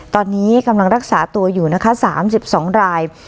ตอนนี้กำลังรักษาตัวอยู่นะคะ๓๒ราย